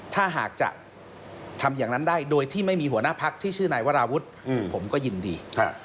ถ้าหากจะทำอย่างนั้นได้โดยที่ไม่มีหัวหน้าพักที่ชื่อนายวราวุฒิผมก็ยินดี